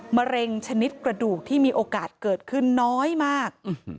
มะเร็งชนิดกระดูกที่มีโอกาสเกิดขึ้นน้อยมาก